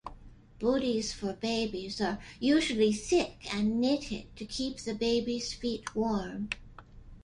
Bootees for babies are usually thick and knitted, to keep the baby's feet warm.